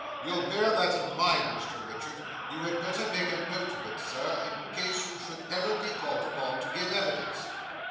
You'll bear that in mind, Mr Richard; you had better make a note of it, sir, in case you should ever be called upon to give evidence.